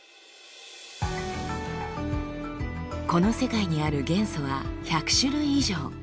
この世界にある元素は１００種類以上。